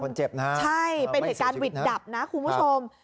คนเจ็บนะครับไม่เสียชีวิตใช่เป็นเหตุการณ์หวิดดับนะครับคุณผู้ชม